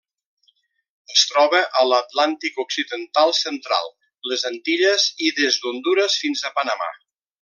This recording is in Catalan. Es troba a l'Atlàntic occidental central: les Antilles i des d'Hondures fins a Panamà.